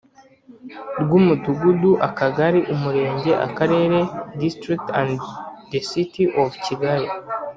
rw Umudugudu Akagari Umurenge Akarere District and the City of Kigali